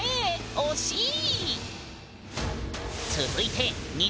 惜しい！